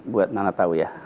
buat anak tahu ya